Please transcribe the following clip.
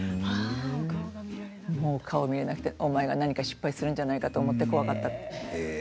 顔を見られなくてお前が何か失敗するんじゃないかと思って怖かったって。